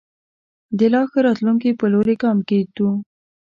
د لا ښه راتلونکي په لوري ګام کېږدو.